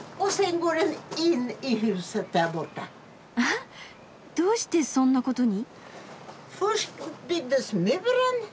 あはっどうしてそんなことに？